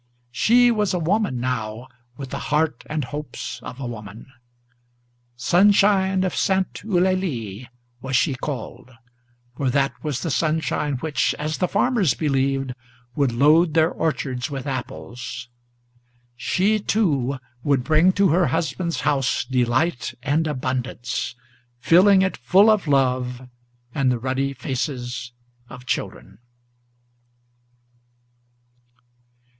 She was a woman now, with the heart and hopes of a woman. "Sunshine of Saint Eulalie" was she called; for that was the sunshine Which, as the farmers believed, would load their orchards with apples; She, too, would bring to her husband's house delight and abundance, Filling it full of love and the ruddy faces of children.